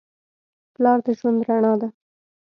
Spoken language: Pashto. پلار د ژوند رڼا ده.